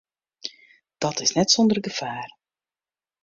Dat is net sûnder gefaar.